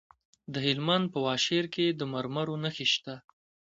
د هلمند په واشیر کې د مرمرو نښې شته.